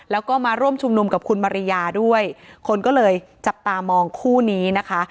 แล้วก็มาร่วมชุมนุมกับคุณมาริยาด้วยคนก็เลยจับตามองคู่นี้นะคะ